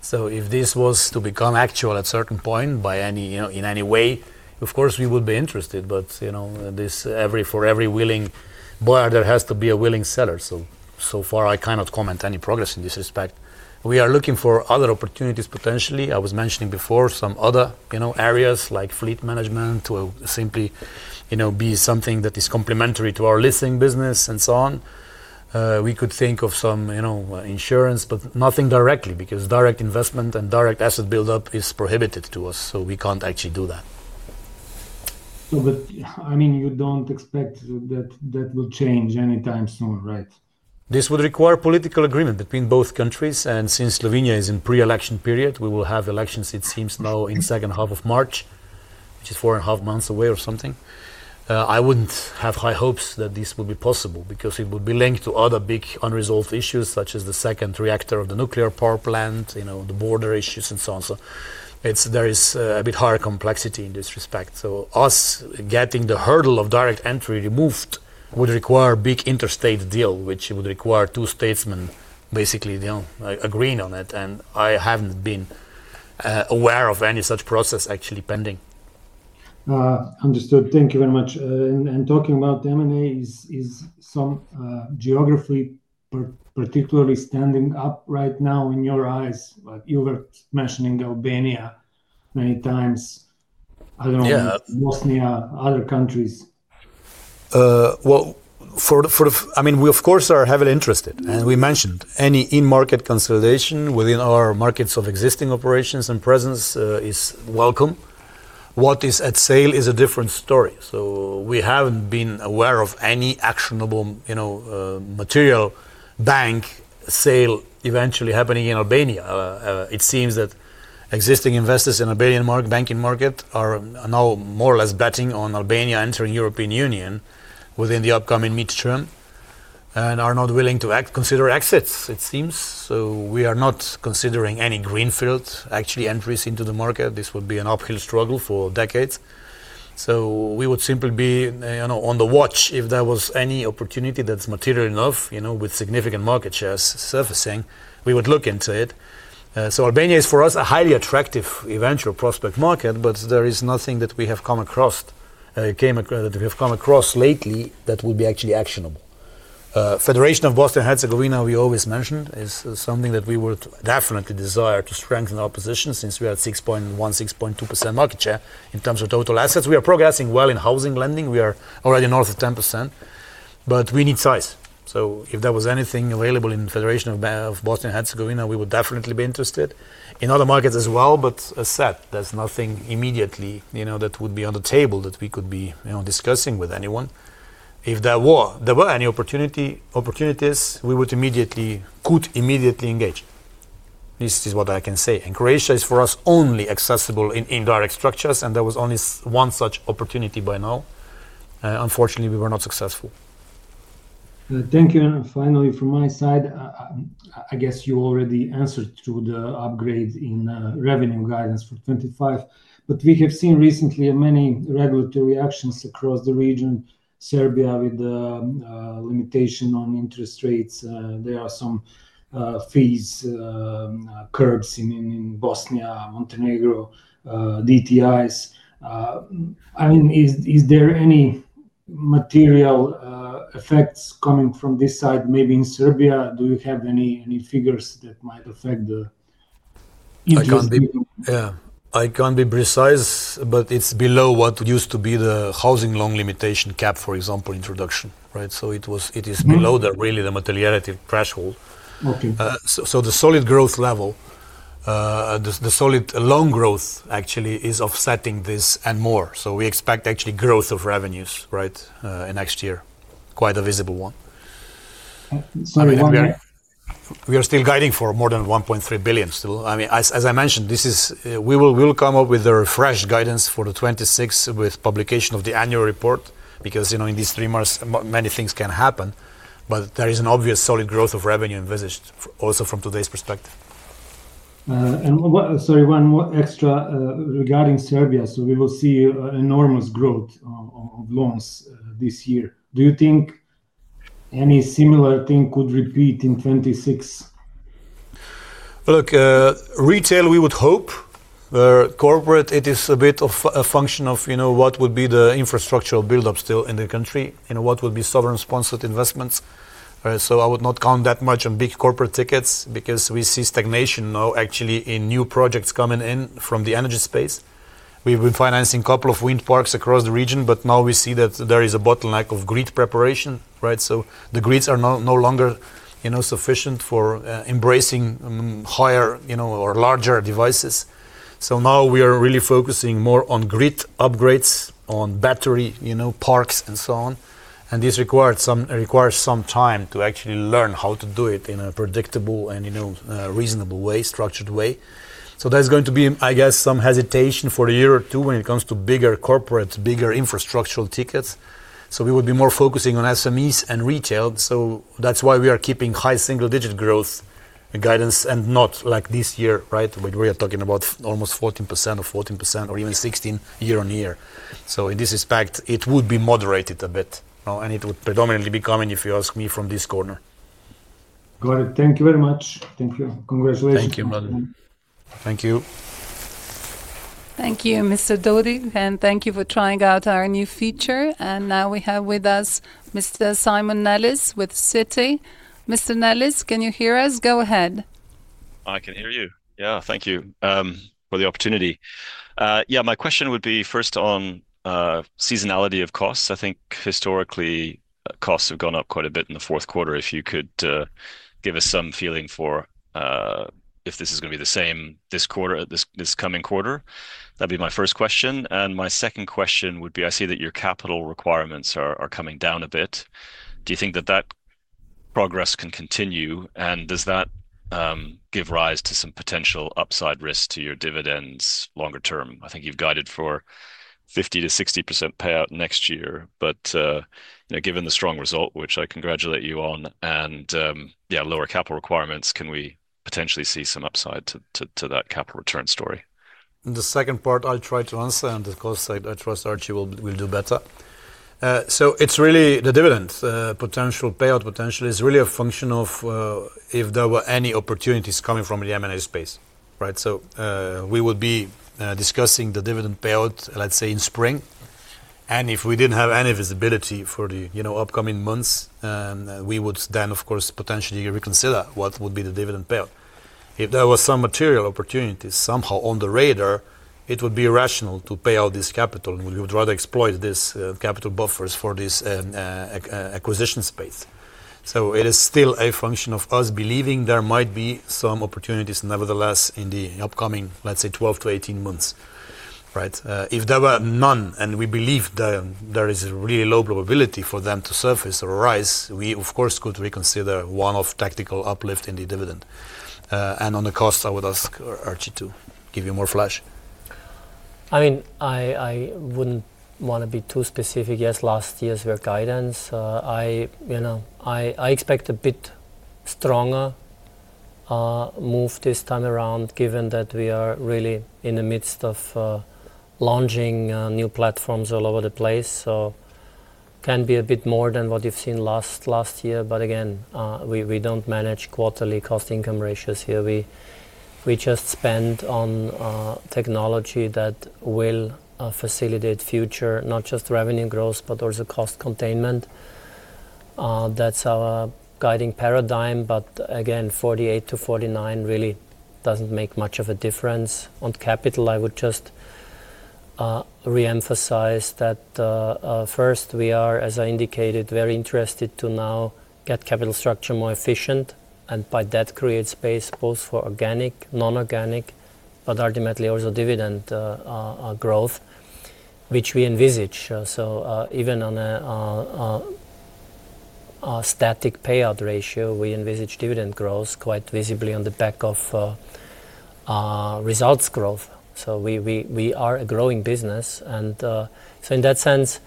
So if this was to become actual at a certain point in any way, of course, we would be interested. But for every willing buyer, there has to be a willing seller. So far, I cannot comment on any progress in this respect. We are looking for other opportunities potentially. I was mentioning before some other areas like fleet management will simply be something that is complementary to our listing business and so on. We could think of some insurance, but nothing directly because direct investment and direct asset buildup is prohibited to us. So we can't actually do that.
I mean, you don't expect that that will change anytime soon, right?
This would require political agreement between both countries. And since Slovenia is in pre-election period, we will have elections, it seems, now in the second half of March, which is four and a half months away or something. I wouldn't have high hopes that this will be possible because it would be linked to other big unresolved issues such as the second reactor of the nuclear power plant, the border issues, and so on. So there is a bit higher complexity in this respect. So us getting the hurdle of direct entry removed would require a big interstate deal, which would require two statesmen basically agreeing on it. And I haven't been aware of any such process actually pending.
Understood. Thank you very much. And talking about the M&A is some geography particularly standing up right now in your eyes. You were mentioning Albania many times. I don't know, Bosnia, other countries.
We, of course, are heavily interested. And we mentioned any in-market consolidation within our markets of existing operations and presence is welcome. What is at sale is a different story. So we haven't been aware of any actionable material bank sale eventually happening in Albania. It seems that existing investors in the Albanian banking market are now more or less betting on Albania entering the European Union within the upcoming midterm and are not willing to consider exits, it seems. So we are not considering any greenfield actually entries into the market, this would be an uphill struggle for decades. So we would simply be on the watch if there was any opportunity that's material enough with significant market shares surfacing, we would look into it. So Albania is, for us, a highly attractive eventual prospect market, but there is nothing that we have come across that we have come across lately that would be actually actionable. Federation of Boston-Hertzegovina, we always mentioned, is something that we would definitely desire to strengthen our position since we had 6.1%, 6.2% market share in terms of total assets. We are progressing well in housing lending. We are already north of 10% but we need size. So if there was anything available in Federation of Boston-Hertzegovina, we would definitely be interested in other markets as well. But as I said, there's nothing immediately that would be on the table that we could be discussing with anyone. If there were any opportunities, we would immediately could immediately engage. This is what I can say. And Croatia is, for us, only accessible in indirect structures, and there was only one such opportunity by now. Unfortunately, we were not successful.
Thank you. And finally, from my side, I guess you already answered to the upgrade in revenue guidance for 2025. But we have seen recently many regulatory actions across the region, Serbia with limitation on interest rates. There are some fees cuts in Bosnia, Montenegro, DTIs. I mean, is there any material effects coming from this side, maybe in Serbia? Do you have any figures that might affect the interest?
Yeah. I can't be precise, but it's below what used to be the housing loan limitation cap, for example, introduction, right? So it is below really the materiality threshold. So the solid growth level, te solid loan growth actually is offsetting this and more, so we expect actually growth of revenues, right, in next year, quite a visible one.
Say it again.
We are still guiding for more than $1.3 billion still. I mean, as I mentioned, we will come up with the refreshed guidance for the 2026 with publication of the annual report because in these three months, many things can happen. But there is an obvious solid growth of revenue envisaged also from today's perspective.
Sorry, one, one extra regarding Serbia. So we will see enormous growth of loans this year. Do you think any similar thing could repeat in 2026?
Look, retail, we would hope. Corporate, it is a bit of a function of what would be the infrastructure buildup still in the country and what would be sovereign-sponsored investments. So I would not count that much on big corporate tickets because we see stagnation now actually in new projects coming in from the energy space. We've been financing a couple of wind parks across the region, but now we see that there is a bottleneck of grid preparation, right? So the grids are no longer sufficient for embracing higher or larger devices. So now we are really focusing more on grid upgrades, on battery parks, and so on. And this requires some time to actually learn how to do it in a predictable and reasonable way, structured way. So there's going to be, I guess, some hesitation for a year or two when it comes to bigger corporate, bigger infrastructural tickets. So we would be more focusing on SMEs and retail. So that's why we are keeping high single-digit growth guidance and not like this year, right? We are talking about almost 14% or 14% or even 16% year on year. So in this respect, it would be moderated a bit. And it would predominantly be coming, if you ask me, from this corner.
Got it. Thank you very much. Thank you. Congratulations.
Thank you, Mladen. Thank you.
Thank you, Mr. Dodig and thank you for trying out our new feature. And now we have with us [Mr. Simon Neles] with Citi. [Mr. Neles], can you hear us? Go ahead. I can hear you. Yeah. Thank you for the opportunity. Yeah. My question would be first on seasonality of costs. I think historically, costs have gone up quite a bit in the fourth quarter. If you could give us some feeling for, if this is going to be the same this coming quarter, that'd be my first question. My second question would be, I see that your capital requirements are coming down a bit, do you think that that progress can continue? And does that give rise to some potential upside risk to your dividends longer-term? I think you've guided for 50%-60% payout next year. Given the strong result, which I congratulate you on, and yeah, lower capital requirements, can we potentially see some upside to that capital return story?
The second part, I'll try to answer and of course, I trust Archie will do better. So it's really the dividend potential payout potential is really a function of if there were any opportunities coming from the M&A space, right? So we would be discussing the dividend payout, let's say, in spring and if we didn't have any visibility for the upcoming months, we would then, of course, potentially reconsider what would be the dividend payout. If there were some material opportunities somehow on the radar, it would be rational to pay out this capital. We would rather exploit these capital buffers for this acquisition space. So it is still a function of us believing there might be some opportunities nevertheless in the upcoming, let's say, 12-18 months, right? If there were none and we believe there is a really low probability for them to surface or rise, we, of course, could reconsider one-off tactical uplift in the dividend. And on the cost, I would ask Archie to give you more flash.
I mean, I wouldn't want to be too specific. Yes, last year's guidance, I expect a bit stronger move this time around, given that we are really in the midst of launching new platforms all over the place. So it can be a bit more than what you've seen last year but again, we don't manage quarterly cost income ratios here. We just spend on technology that will facilitate future, not just revenue growth, but also cost containment. That's our guiding paradigm but again, 48 to 49 really doesn't make much of a difference on capital. I would just re-emphasize that first, we are, as I indicated, very interested to now get capital structure more efficient and by that, create space both for organic, non-organic, but ultimately also dividend growth which we envisage. So even on a static payout ratio, we envisage dividend growth quite visibly on the back of results growth. So we are a growing business. In that sense,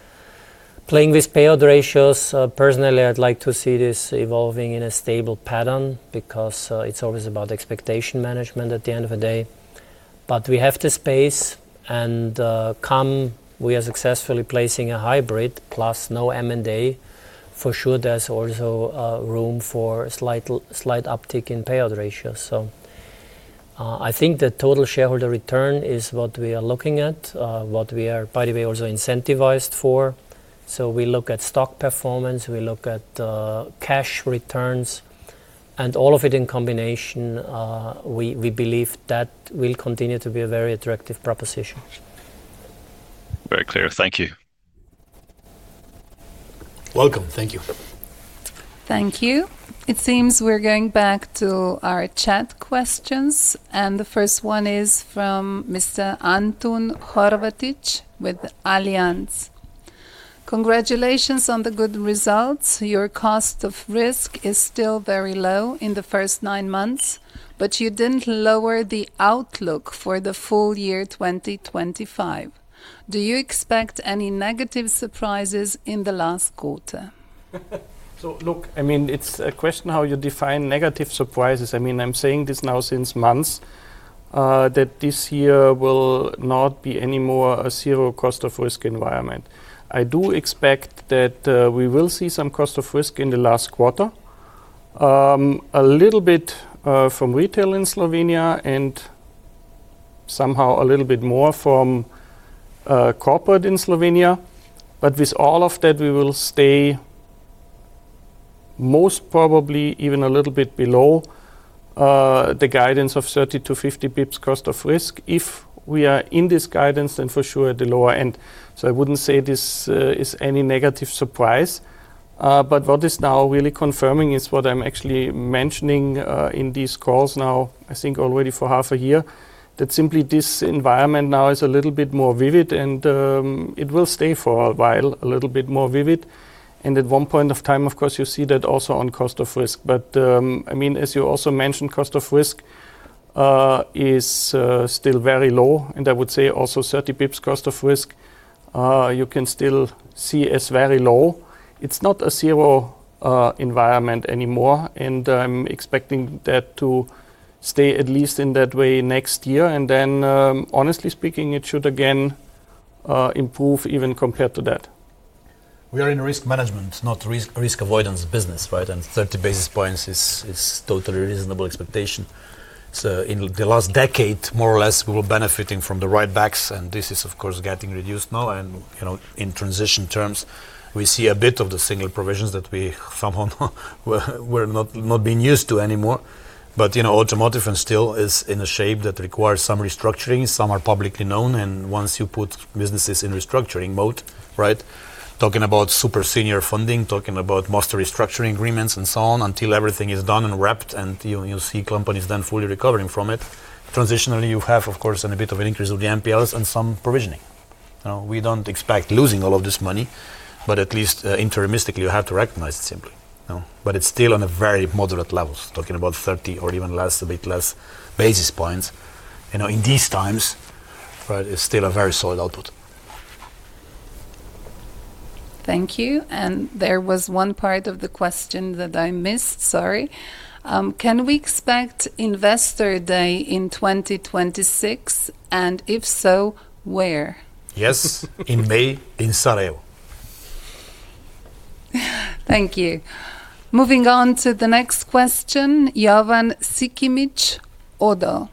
playing with payout ratios, personally, I'd like to see this evolving in a stable pattern because it's always about expectation management at the end of the day. But we have the space and come, we are successfully placing a hybrid plus no M&A. For sure, there's also room for slight uptick in payout ratios. I think the total shareholder return is what we are looking at, what we are, by the way, also incentivized for. So we look at stock performance, we look at cash returns and all of it in combination, we believe that will continue to be a very attractive proposition. Very clear. Thank you. Welcome. Thank you.
Thank you. It seems we're going back to our chat questions. And the first one is from Mr. Antun Horvatic with Allianz. Congratulations on the good results. Your cost of risk is still very low in the first nine months, but you didn't lower the outlook for the full year 2025. Do you expect any negative surprises in the last quarter?
So look, I mean, it's a question how you define negative surprises. I mean, I'm saying this now since months that this year will not be any more a zero cost of risk environment. I do expect that we will see some cost of risk in the last quarter. A little bit from retail in Slovenia and somehow a little bit more from corporate in Slovenia but with all of that, we will stay most probably even a little bit below the guidance of 30-50 bps cost of risk if we are in this guidance, then for sure at the lower end. So I wouldn't say this is any negative surprise but what is now really confirming is what I'm actually mentioning in these calls now, I think already for half a year, that simply this environment now is a little bit more vivid and it will stay for a while a little bit more vivid. At one point of time, of course, you see that also on cost of risk. But I mean, as you also mentioned, cost of risk is still very low. I would say also 30 bps cost of risk you can still see as very low. It's not a zero environment anymore and I'm expecting that to stay at least in that way next year. And then, honestly speaking, it should again. Improve even compared to that.
We are in risk management, not risk avoidance business, right? And 30 basis points is totally reasonable expectation. So in the last decade, more or less, we were benefiting from the right backs. And this is, of course, getting reduced now. And in transition terms, we see a bit of the single provisions that we somehow were not being used to anymore. But automotive and steel is in a shape that requires some restructuring, some are publicly known. And once you put businesses in restructuring mode, right? Talking about super senior funding, talking about master restructuring agreements and so on, until everything is done and wrapped and you see companies then fully recovering from it. Transitionally, you have, of course, a bit of an increase of the MPLs and some provisioning. We don't expect losing all of this money, but at least interimistically, you have to recognize it simply. But it's still on a very moderate level, talking about 30 or even less, a bit less basis points. In these times. It's still a very solid output.
Thank you. And there was one part of the question that I missed. Sorry. Can we expect investor day in 2026? And if so, where?
Yes. In May, in Sarajevo.
Thank you. Moving on to the next question, [Jovan Sikimiq Odo].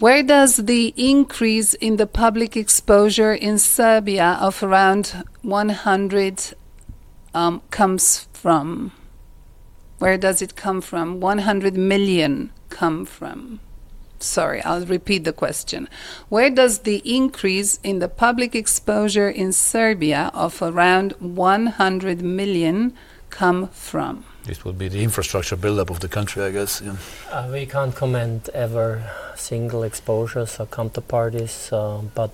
Where does the increase in the public exposure in Serbia of around $100 million comes from? Where does it come from? $100 million come from? Sorry, I'll repeat the question. Where does the increase in the public exposure in Serbia of around $100 million come from?
It will be the infrastructure buildup of the country, I guess.
We can't comment ever single exposures or counterparties. But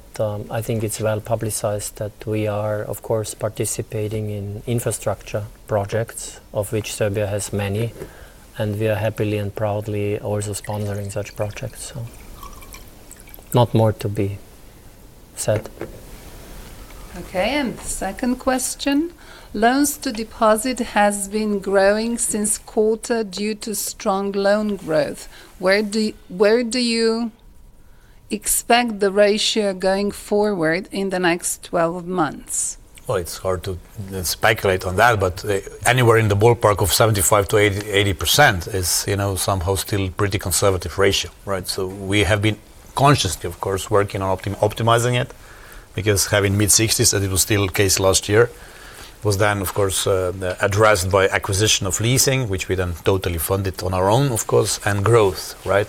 I think it's well publicized that we are, of course, participating in infrastructure projects, of which Serbia has many. And we are happily and proudly also sponsoring such projects. Not more to be said.
Okay. And second question. Loans to deposit have been growing since quarter due to strong loan growth. Where do you expect the ratio going forward in the next 12 months?
Well, it's hard to speculate on that, but anywhere in the ballpark of 75%-80% is somehow still a pretty conservative ratio, right? So we have been consciously, of course, working on optimizing it because having mid-60s, as it was still the case last year, was then, of course, addressed by acquisition of leasing, which we then totally funded on our own, of course, and growth, right?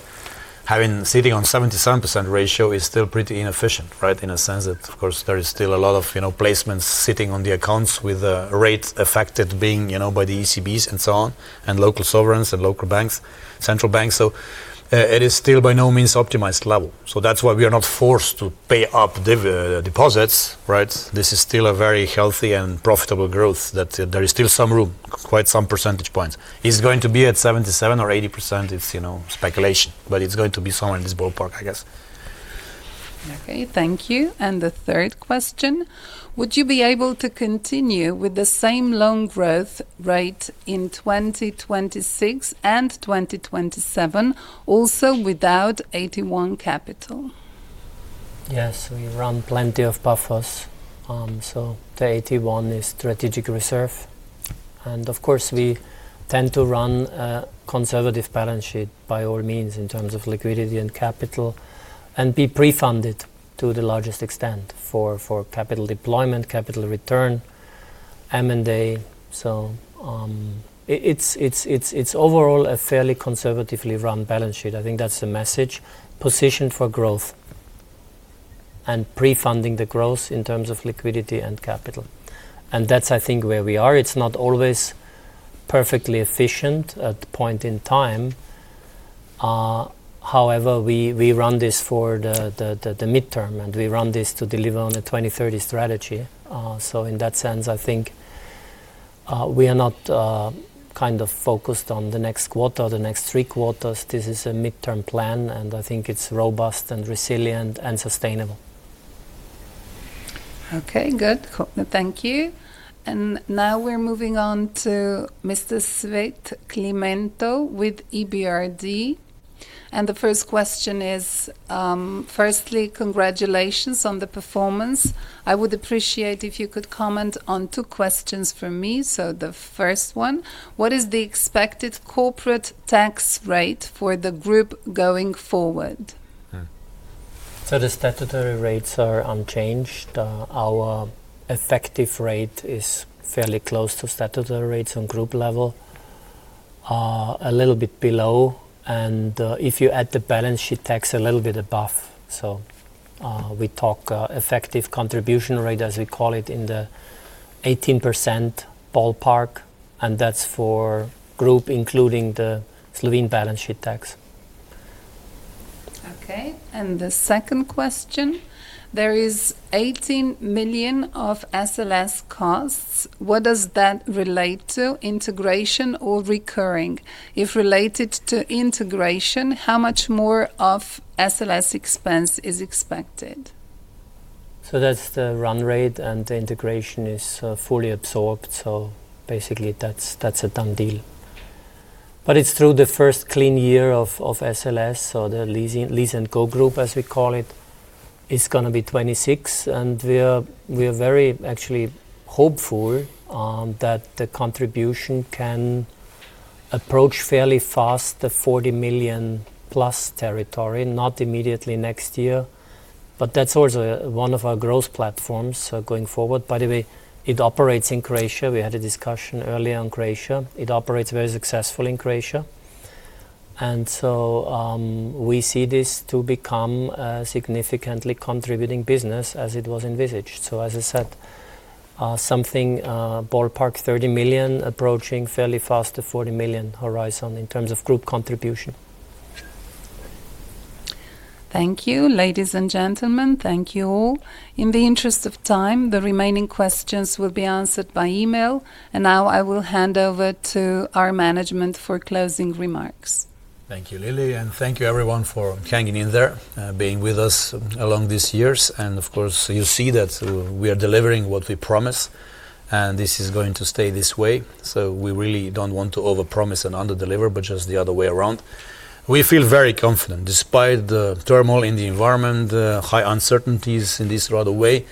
Sitting on a 77% ratio is still pretty inefficient, right? In a sense that, of course, there is still a lot of placements sitting on the accounts with rates affected by the ECBs and so on, and local sovereigns and local banks, central banks. So it is still by no means an optimized level. So that's why we are not forced to pay up deposits, right? This is still a very healthy and profitable growth that there is still some room, quite some percentage points. It's going to be at 77% or 80%. It's speculation, but it's going to be somewhere in this ballpark, I guess.
Okay. Thank you. And the third question. Would you be able to continue with the same loan growth rate in 2026 and 2027, also without 81 capital?
Yes. We run plenty of buffers. So the 81 is strategic reserve. And of course, we tend to run a conservative balance sheet by all means in terms of liquidity and capital and be pre-funded to the largest extent for capital deployment, capital return, M&A. It's overall a fairly conservatively run balance sheet. I think that's the message positioned for growth and pre-funding the growth in terms of liquidity and capital. And that's, I think, where we are it's not always perfectly efficient at a point in time, however, we run this for the midterm, and we run this to deliver on a 2030 strategy. So in that sense, I think, we are not kind of focused on the next quarter or the next three quarters. This is a midterm plan, and I think it's robust and resilient and sustainable.
Okay. Good. Thank you. And now we're moving on to Mr. Svet Klimento with EBRD. And the first question is, firstly, congratulations on the performance. I would appreciate if you could comment on two questions for me. So the first one, what is the expected corporate tax rate for the group going forward?
So the statutory rates are unchanged. Our effective rate is fairly close to statutory rates on group level, a little bit below and if you add the balance sheet tax, a little bit above. So we talk effective contribution rate, as we call it, in the 18% ballpark, and that's for group, including the Slovene balance sheet tax.
Okay. And the second question. There is $18 million of SLS costs, what does that relate to integration or recurring? If related to integration, how much more of SLS expense is expected?
So that's the run rate, and the integration is fully absorbed, so basically, that's a done deal. But it's through the first clean year of SLS, or the lease and go group, as we call it, it's going to be 2026. And we are very actually hopeful that the contribution can approach fairly fast the $40 million plus territory, not immediately next year. But that's also one of our growth platforms going forward. By the way, it operates in Croatia. We had a discussion earlier on Croatia. It operates very successfully in Croatia and so, we see this to become a significantly contributing business as it was envisaged. So as I said, something ballpark $30 million approaching fairly fast the $40 million horizon in terms of group contribution.
Thank you. Ladies and gentlemen, thank you all. In the interest of time, the remaining questions will be answered by email. And now I will hand over to our management for closing remarks.
Thank you, Lily. And thank you, everyone, for hanging in there, being with us along these years. And of course, you see that we are delivering what we promise. And this is going to stay this way. So we really don't want to overpromise and underdeliver, but just the other way around. We feel very confident despite the turmoil in the environment, high uncertainties in this right away.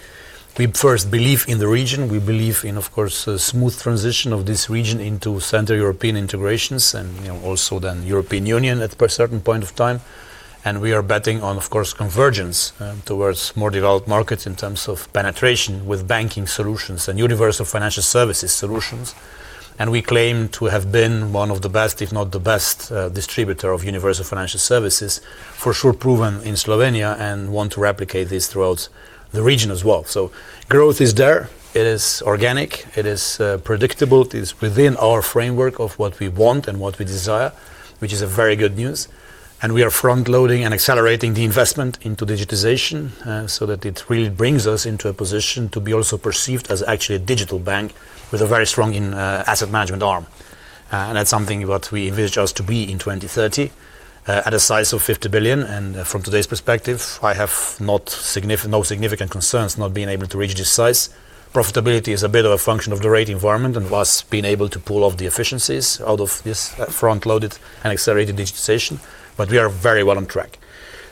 We first believe in the region. We believe in, of course, a smooth transition of this region into Central European integrations and also then European Union at a certain point of time. And we are betting on, of course, convergence towards more developed markets in terms of penetration with banking solutions and universal financial services solutions. And we claim to have been one of the best, if not the best distributor of universal financial services, for sure proven in Slovenia, and want to replicate this throughout the region as well. So growth is there. It is organic. It is predictable. It is within our framework of what we want and what we desire, which is very good news. And we are frontloading and accelerating the investment into digitization so that it really brings us into a position to be also perceived as actually a digital bank with a very strong asset management arm. And that's something what we envisage us to be in 2030 at a size of $50 billion. And from today's perspective, I have no significant concerns not being able to reach this size. Profitability is a bit of a function of the rate environment and thus being able to pull off the efficiencies out of this frontloaded and accelerated digitization but we are very well on track.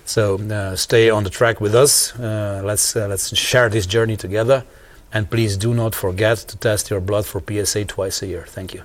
So stay on the track with us, let's share this journey together. And please do not forget to test your blood for PSA twice a year. Thank you.